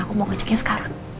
aku mau ngeceknya sekarang